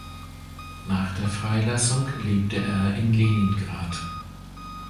Nach der Freilassung lebte er in Leningrad.